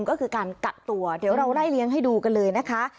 ก็คือการกักตัวเดี๋ยวเราไล่เลี้ยงให้ดูกันเลยนะคะ